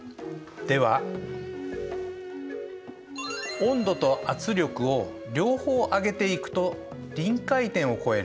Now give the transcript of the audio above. では温度と圧力を両方上げていくと臨界点を超える。